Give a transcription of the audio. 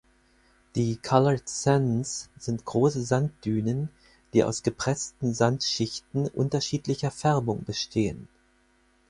Die Coloured Sands sind große Sanddünen, die aus gepressten Sandschichten unterschiedlicher Färbung bestehen.